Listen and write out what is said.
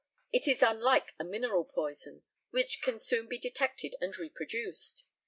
It is unlike a mineral poison, which can soon be detected and reproduced.